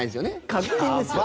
確認ですよ。